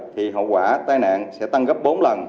thì hậu quả tai nạn sẽ tăng gấp bốn lần